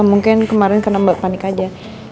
mungkin kemarin karena mbak panik aja